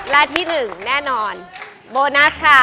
และที่๑แน่นอนโบนัสค่ะ